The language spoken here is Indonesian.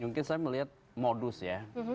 mungkin saya melihat modus ya